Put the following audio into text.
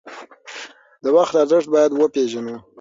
د وخت ارزښت باید وپیژنو.